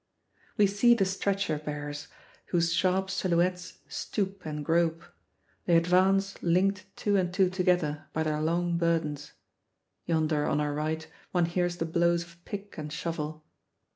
We see the stretcher bearers, whose sharp silhouettes stoop and grope; they advance linked two and two together by their long burdens. Yonder on our right one hears the blows of pick and shovel.